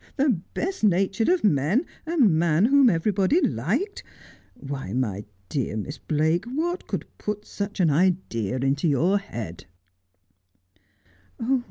The best natured of men — a man whom everybody liked. Why, my dear Miss Blake, what could put such an idea into your head